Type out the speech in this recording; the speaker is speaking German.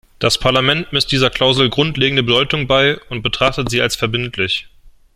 Das Parlament misst dieser Klausel grundlegende Bedeutung bei und betrachtet sie als verbindlich.